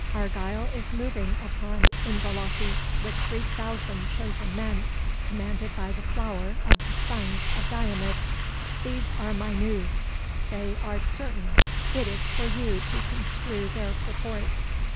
Argyle is moving upon Inverlochy with three thousand chosen men, commanded by the flower of the sons of Diarmid. These are my news they are certain it is for you to construe their purport."